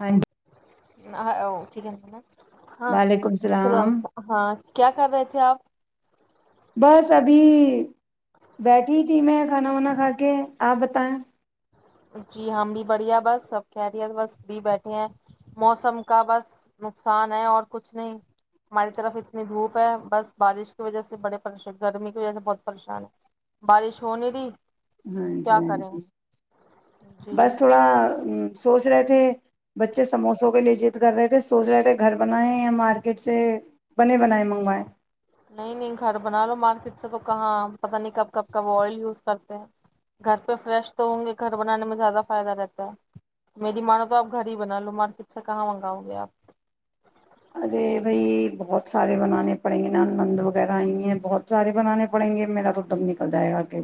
ہاں جی او ٹھیکنا ہاں وعلیکم سل السلام ہاں کیا کر رہے تھے آپ بس ابھی بیٹھی تھی میں کھانا وانا کھا کے آپ بتائیں جی ہم بھی بڑھیا بس سب کہٹے بس فری بیٹھے ہیں موسم کا بس نقصان ہے اور کچھ نہیں ہماری طرف اتنی دھوپ ہے بس بارش کی وجہ سے بڑےریش گرمی کی وجہ سے بہت پریشان ہے بارش ہو نہیں رہی ہاں جی کیا ہاں کریں جی جی [inaudible] بس تھوڑا ا سوچ رہے تھے بچے سموسوں کے لیے جد کر رہے تھے سوچ رہے تھے گھر بنائے یا مارکیٹ سے بنے بنائے منگوائے نہیں نہیں گھر بنا لو مارکیٹ [unintelligible] اس سے تو کہاں پتاہ نہیں کب کب کا وہ آئل یوز کرتے ہیں گھر پہ فریش تو ہوں گے گھر بنانے میں زیادہ فائدہ رہتا ہے میری مان ہو تو آپ گھر ہی بنا لو مارکیٹ سے کہاں منگاؤ گے آپ ارے بھائی بہت سارے بنانے پڑیں گے ن نند وغیرہ آئ ہیں بہت سارے بنانے پڑیں گے میرا تو ڈب نکل جائے گا کہ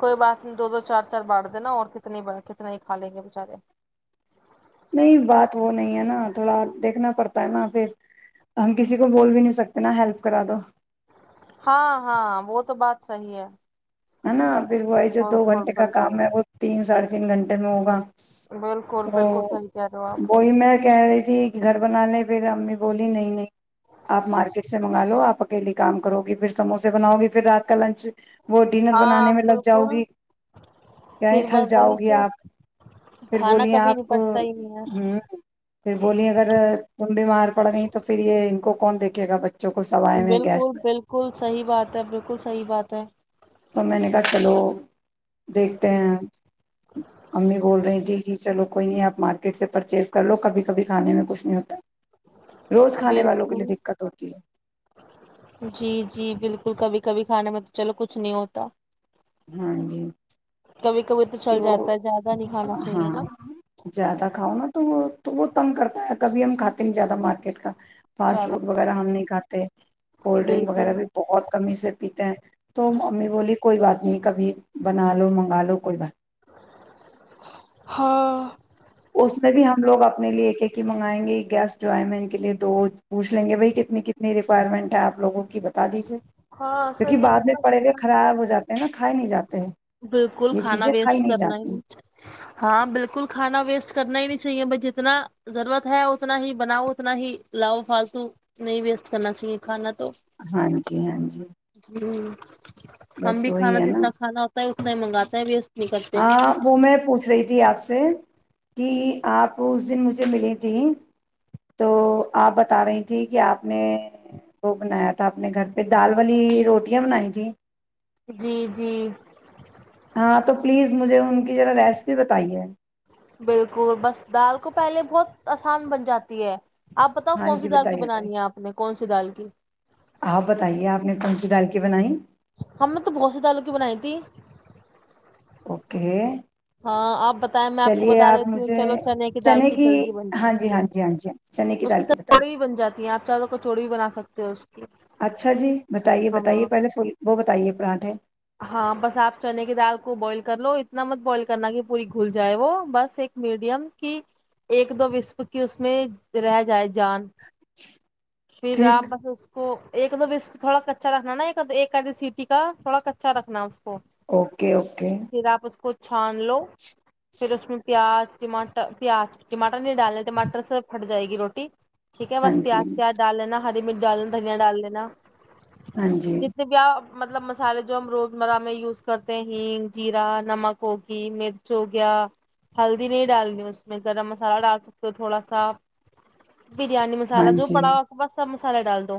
کوئی بات نہیں دو دو چار چار بانٹ دینا اور کتنے کتنے ہی کھا لیں گے بچارے [unintelligible] [unintelligible] بالکل بالکل [unintelligible] بالکل بالکل صحیح [unintelligible] کہہ رہے ہو آپ [unintelligible] [unintelligible] [unintelligible] ہاں بالکل پھر بار وہی تو کھانا کبھی نپٹتا ہی نہیں [unintelligible] [unintelligible] میں گیس [unintelligible] [unintelligible] روز کھانے والوں کے لیے دقت ہوتی [unintelligible] [unintelligible] کبھی کبھی تو چل جاتا ہے زیادہ نہیں کھانا [unintelligible] چاہیے نا [unintelligible] زیادہ [unintelligible] بالکل [unintelligible] [unintelligible] [unintelligible] [unintelligible] [unintelligible] [unintelligible] ہاں صحیح ہے جتنا کھانا [unintelligible] یہ چیزیں کھائی نہیں جاتی [unintelligible] [unintelligible] جی [unintelligible] ہم بس بھی وہی کھانا ہے نا جتنا کھانا اتنا ہی منگاتے ہیں ویسٹ نہیں کرتے [unintelligible] اپ اس دن مجھے ملیں گے تو اپ بتا رہی تھیں کہ اپ نے وہ بنایا تھا اپنے گھر پہ دال والی روٹیاں بنائی تھی جی جی ہاں تو پلیز مجھے ان کی جو ریسپی بتائی ہے بالکل بس دال کو پہلے بہت اسان بن جاتی ہے ہاں جی بتائیے بتائیے آپ [unintelligible] بتائیے [unintelligible] ہم تو بہت سے دالو کی بنا اوکے ہاں آپ بتائیں میں آپ کو چلیے بتا دیتی ہوں مجھے چلو چنے کی دال کی جلدی بن ہاں جی جاتی ہاں ہے جی ہاں جی چنے اس کی دال کا بتائیے چوڑو بھی بن جاتی ہے آپ چادوں کو چوڑوی بنا سکتے ہو کی اچھا جی بتائیے ہاں بتائیے پہلے فل وہ بتائیے پراھ ہے ہاں بس آپ چنے کی دال کو بوائل کر لو اتنا مت بوائل کرنا کہ پوری گھل جائے وہ بس ایک میڈیم کی ایک دو وسف کی اس میں رہ جائے جان پھر آپ ٹھیک بس اس کو ایک دو بس تھوڑا کچا رکھنا نا ایکی سیٹی کا تھوڑا کا اچھا رکھنا اس اوکے اوکے پھر آپ اس کو چھان لو پھر اس میں پیاز ٹماٹر پیاز ٹماٹر نہیں ڈالنے ٹماٹر سے پھٹ جائے گی روٹی ٹھیک ہے ہاں بس جی پیاز تیاار ڈال لینا ہری مرٹ ڈال دین دنیا ڈال دینا ہاں جی جتنے بیا مطلب مسالے جو ہم روزمرہ میں یوز کرتے ہیں ہگ جیرا نمک ہوگی مرچ ہو گیا ہلدی نہیں ڈالنی اس میں گرم مسالہ ڈال سکتے ہو تھوڑا سا بریانی ہاں مسالا جو جی بڑا و بس مسالہ ڈال دو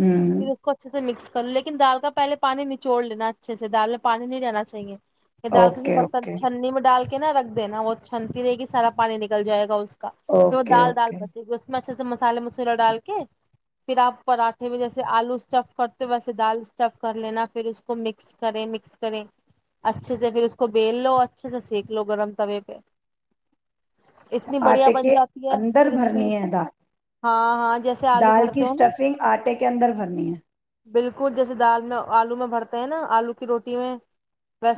ہوں پھر اس کو اچھے سے مکس کر لیکن دال کا پہلے پانی نچوڑ لینا اچھے سے دال میں پانی نہیں لینا چاہیے یہ دال ت اوکے برتن اوکے چھننی میں ڈال کے نا رکھ دینا وہ چھنتی دے گی سارا پانی نکل جائے گا اس جو اوکے دال دال اوکے بچے گی اس میں اچھے سے مسالے مسولہ ڈال کے پھر آپ پراٹھے میں جیسے آلو اسٹف کرتے ہو ویسے دال اسٹف کر لینا پھر اس کو مکس کریں مکس کریں اچھے سے پھر اس کو بیل لو اچھے سے سک لو گرم توے پہ اتنی بڑھیا آٹے بن کے جاتی ہے اندر کرسپی بھرنی ہے دال ہاں ہاں جیسے آلو دال کی بھرتے ہو نا اسٹفنگ آٹے کے اندر بھرنی ہے بالکل جیسے دال آلو میں بھرتے ہیں نا آلو کی روٹی میں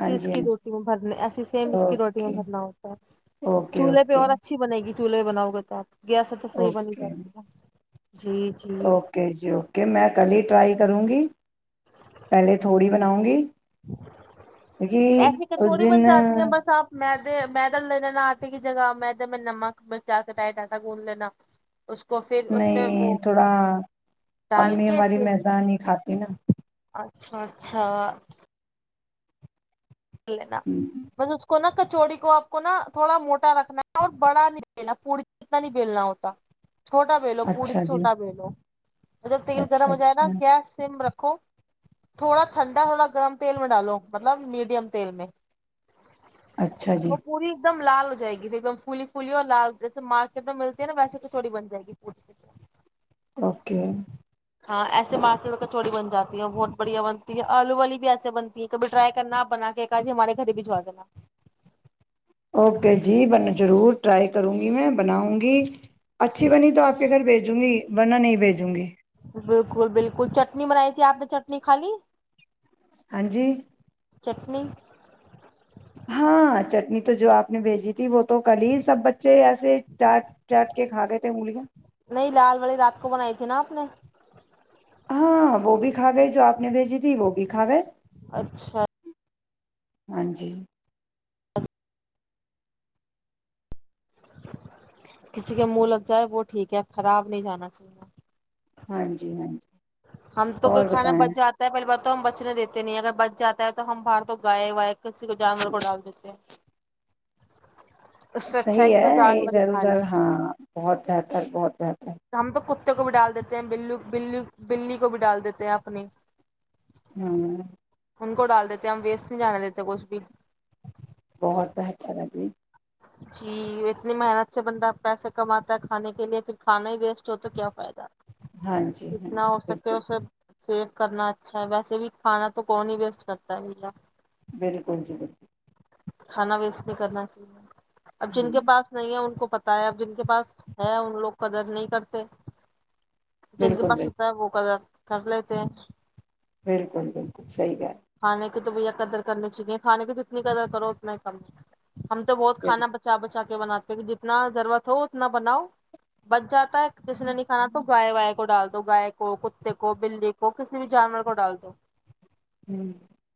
ہاں اس جی ہاں کی جی روٹی میں بھرنے ایسے سیم اس کی روٹی میں اوکے بھرنا ہوتا ہے اوکے چولہے پہ اوکے اور اچھی بنے گی چلے بناؤ کے اوکے جی جی اوکے جی اوکے میں کل ہی ٹرائی کروں گی پہلے تھوڑی بناؤں گی کیونکہ ایسی اس کچوڑی دن بن جاتی ہیں بس آپ میدے میدا لے لینا آٹے کی جگہ میں تو میں نمک بچا کٹیا ڈٹا گھند لینا اس کو پھر اس میں نہیں وہ تھوڑا ڈال امی کے ہماری پھر میدانی ہی کھاتی ا ن اچھا اچھا نا ہوں۔ بس اس کو نہ ک چوڑی کو آپ کو نا تھوڑا موٹا رکھنا ہے اور بڑا نہیں بینا پڑی سے اتنا نہیں بیلنا ہوتا چھوٹا بلو پووری اچھا جی چھوٹا بلو اور جب تیل گرم اچھا ہو جائے نا اچھا گیس سم رکھ و تھوڑا ٹھنڈا تھوڑا گرم تیل منڈالو مطلب میڈیم تیل میں اچھا جی وہ پوری ایک دم لال ہو جائے گی پھر ایک دم پھلی پولی اور لال جیسے مارک کت میں ملتی نا ویسی کچھوی بن جائےی اوکے ہاں ایسے مارکیٹ کے چوڑی بن جی ہے اور بہت بڑھیا بنتی ہے آلو والی بھی ایسے بنتی ہے کبھی ٹرائی کرناپ بنا کے تی ہمارے گھر بجوا دینا اوکے جی بن ضرور ٹرائی کروں گی میں بناؤں گی اچھی بنی تو آپ کے گھر بھیجوں گی ورنہ نہیں بھیجوں گی بالکل بالکل چٹنی بنائی تھی آپ نے چٹنی کھ لی ہاں جی چٹنی ہاں چٹنی تو جو آپ نے بھیجی تھی وہ تو کل ہی سب بچے ایسے چاٹ چاٹ کے کھا گئے تھے انلیاں نہیں لال والی رات کو بنائی تھی نا آپ نے ہاں وہ بھی کھا گئی جو آپ نے بھیجی تھی وہ بھی کھا گئے اچھا ہاں جی کسی کے منہ لگ جائے وہ ٹھیک ہے خراب نہیں جانا چاہیے ہاں جی ہاں جی ہم تو کوئی اور کھانا بتائیں بچ جاتا ہے پہلے بات تو ہم بچنے دیتے نہیں اگر بچ جاتا ہے تو ہم باہر تو گائے وائے کسی کو جانور کو ڈال دیتے ہیں اس سے اچھا صحی کہ ہے کوئی یہ جانور ہی ضرور کھا لے ضرور ہاں بہت بہتر بہت بہتر ہم تو کتے کو بھی ڈال دیتے ہیں ب ب بلی کو بھی ڈال دیتے ہیں اپنی ہاں ان کو ڈال دیتے ہیں ہم ویسٹ نہیں جانے دیتے کچھ بھی بہت بہتر ہے جی جی اتنی محنت سے بندہ پیسے کماتا ہے کھانے کے لیے پھر کھانا ہی ویسٹ ہو تو کیا فائد ہے ہاں جی ہاں جتنا ہو سکے بالکل اس سب سیف کرنا اچھا ہے ویسے بھی کھانا تو کون نہیں ویسٹ کرتا ہے با بالکل ج بکل کھانا ویس نہیں کرنا جی [inaudible] اب جن کے پاس نہیں ہے ان کو پتا ہے اب جن کے پاس ہے ان لوگ قدر نہیں کرتے جن کے بالکل پاس بالکل ہوتا ہے وہ کردا کر لیتے ہیں بالکل بالکل سیح کھانے تو بھیا قدر کرنی چاہیے کھانے کی تو جتنی قدر کرو اتنا ہی کم ہم تو بہت ہے کھانا بچا بچا کے بناتے ہیں کہ جتنا ضرورت ہو اتنا بناؤ بچ جاتا ہے کسی نے نہیں کھانا تو گائے وائے کو ڈال دو گائے کو کتے کو بلی کو کسی بھی جانور کو ڈال دو ہ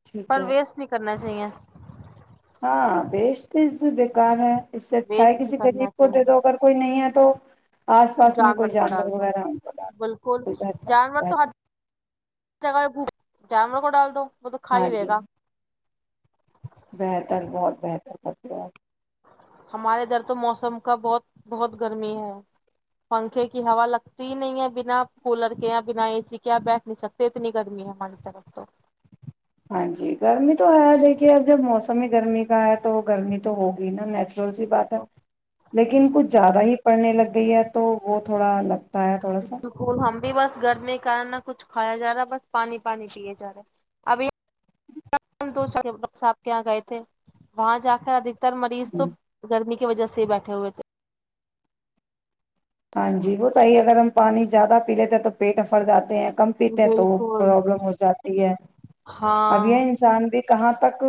ٹھیک پر ہے ویسٹ نہیں کرنا چاہیے ہاں بیسٹز بیکار ہے اس سے اچھا ہے ویسٹ نہیں کسی کرنا غریب کو دے دو چاہیے اگر کوئی نہیں ہے تو آس پاس میں کوئی کو جانور ڈال دو وغیرہ ان کو ڈال دو بالکل کوئی بہتر جانور تو ہر بہتر جگہ جانور کو ڈال دو وہ تو کھا ہاں ہی لے جی گا بہتر بہت بہتر کرتے ہو آپ ہمارے ادھر تو موسم کا بہت بہت گرمی ہے پنکھے کی ہوا لگتی نہیں ہے بنا کولر کے یا بنا اے سی کے یہ بیٹھ نہیں سکتے اتنی گرمی ہے ہماری طرف تو ہاں جی گرمی تو ہے دیکھیے اب جب موسم ہی گرمی کا ہے تو گرمی تو ہوگ نا نیچرل سی بات ہے بالکل لیکن کچھ زیادہ ہی پڑھنے لگ گئی ہے تو وہ تھوڑا الگ بالکل ہم بھی بس گرمی کان نہ کچھ کھایا جا رہا ہے بس پانی پانی پیے جا رہے ابھی دور صاحب کے یہاں گئے تھے وہاں جا کرد ر مریض تو گرمی کی وجہ سے بیٹھے ہوئے تھے ہاں جی بت ہی اگر ہم پانی زیادہ پی لیتے ہیں تو پیٹ میں پھر جاتا ہیں کم تھے پیتے ہیں تو وہ بالکل پرابلم ہو جاتی ہے اب یہ ہاں انسان بھی کہاں تک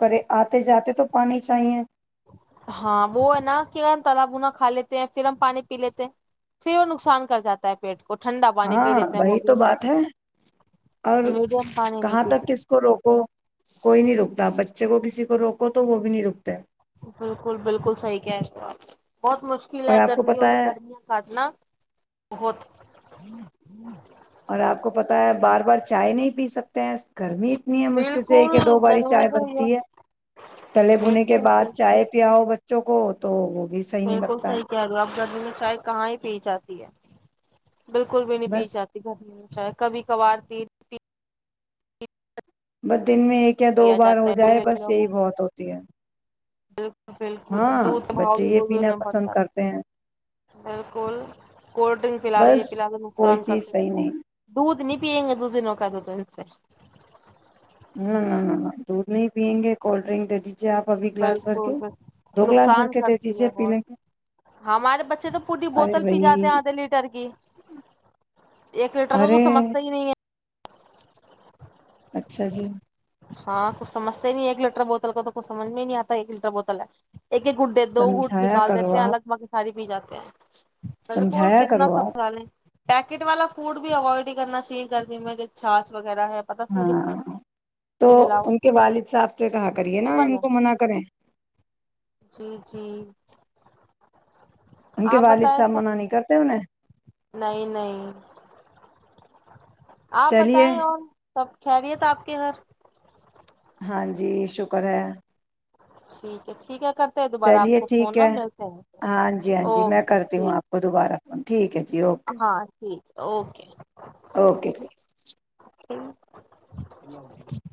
کرے آتے جاتے تو پانی چاہیے ہاں وہ ہے نا کہ ہم تال بنا کھا لیتے ہیں پھر ہم پانی پی لیتے ہیں پھر وہ نقصان کر جاتا ہے پیٹ کو ٹھنڈا پانی پی ہاں لیتے ہیں بی وہ بھی تو بات ہے اور میڈیم پانی نہیں کہاں تک پیتے کس کو روکو کوئی نہیں رکتاپ بچے کو کسی کو روکو تو وہ بھی نہیں رکتا بالکل بالکل صحیح کہ تو آپ بہت مشکل ہے اور آپ کو گرمیوں پتا میں ہے گرمیاں کاٹنا بہت ہوں اور آپ کو پتا ہے بار بار چائے نہیں پی سکتے ہیں گرمی نی مشکل سے ایک بالکل ہے دو باری گرمی چائے تو بنتی یہ ہے تلے بنے کے بالکل بعد بالکل چائے پیاؤ بچوں کو ہو تو بھی صحیح نہیں بالکل لگتا صحی ہے کہہ رہ ہو آپ گرمی میں چائے کہاں ہی پی جاتی ہے بالکل بھی نہیں پی بس جاتی ٹرک کا بھی کوار بدے ان میں ایک یا دو لیا بار جاتا ہو جائے بس ایک بہت ہوتی ہے بال بالکل ہاں دودھ دباؤ بچے ی یہ پینا پسند کرتے ہیں بالکل کولڈ ڈرنک پلا رہی ہے بس پلا کوئی نقصان چیز کرتے صحیح رہتے ہیں نہیں دودھ نہیں پییں گے تو کچھ دنوں کا دودھ نہیں پییں گے کول ڈرنک دیجیے آپ ابھی گلاس بھر کے دو گلاس بھر نقصان کے دے کرتی ہے دیجیے پی بہت لیں گے ہمارے بچے تو پوری ارے بوتل پی بھائی جاتے ہیں ادھے لیٹر کی ایک لیٹر کو تو ارے سمجھتا ہی نہیں ہے اچھا جی ہاں کو سمجھتے نہیں ایک لیٹر بوتل کا تو کو سمجھ میں نہیں اتا ایک لٹا بوتل ایک ایک گڈ دے دو گٹ سمجھایا نکال کرو دیتے ہیں آپ لگ بھگ ساری پی جاتے ہیں بالکل سمجھایا کتنا کرو آپ سوال ہے پیکٹ والا اونٹ بھی اوائڈ نہیں کرنا چاہیے گرمی میں جو چھاچ وق وغیرہ ہے پتا ت ک ہاں تو ان کے والد صاحب سے کہا کریے نا ان کو منع کریں جی جی ان کے آپ والد بتائیں صاحب سب منع نہیں کرتے انہیں نہیں نہیں آپ چلیے بتائ اور سب خیریت آپ کے گھر ہاں جی شکر ہے ٹھیک ہے ٹھیک ہے کرتے ہیں دوبارہ آپ چلیے کو ٹھیک فون نہ ہے ملتے ہیں ہاں جی ہاں جی میں اوکے کرتی ہوں اپ ٹھیک کو دوبارہ ٹھیک ہے جی اوکے ہاں ٹھیک اوکے اوکے [inaudible]